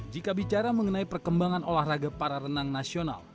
jika bicara mengenai perkembangan olahraga para renang nasional